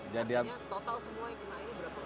jadi total semua yang kena ini berapa